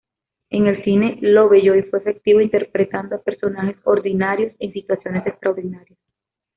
En el cine Lovejoy fue efectivo interpretando a personajes ordinarios en situaciones extraordinarias.